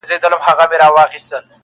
« لکه شمع په خندا کي مي ژړا ده .!